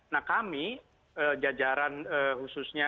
nah kami jajaran khususnya